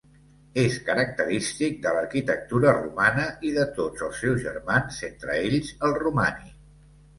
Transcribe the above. És característic de l'arquitectura romana i de tots els seus germans, entre ells el romànic.